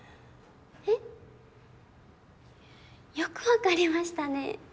えっ？よく分かりましたね